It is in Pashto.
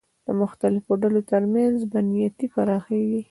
د مختلفو ډلو تر منځ بدنیتۍ پراخېږي